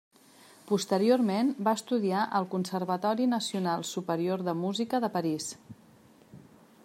Posteriorment va estudiar al Conservatori Nacional Superior de Música de París.